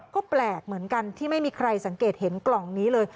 ก็แปลกเหมือนกันที่ไม่มีใครสังเกตเห็นกล่องนี้เลย